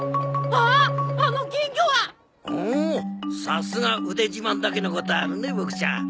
さすが腕自慢だけのことはあるねボクちゃん。